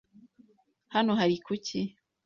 Hano hari kuki.